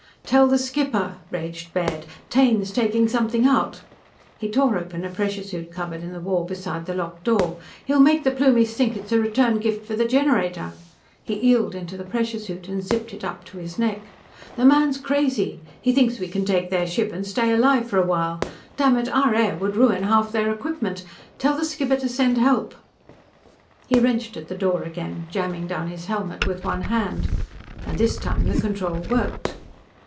"Tell the skipper," raged Baird. "Taine's taking something out!" He tore open a pressure suit cupboard in the wall beside the lock door. "He'll make the Plumies think it's a return gift for the generator!" He eeled into the pressure suit and zipped it up to his neck. "The man's crazy! He thinks we can take their ship and stay alive for a while! Dammit, our air would ruin half their equipment! Tell the skipper to send help!" He wrenched at the door again, jamming down his helmet with one hand. And this time the control worked.